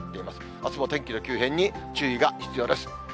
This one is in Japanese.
あすも天気の急変に注意が必要です。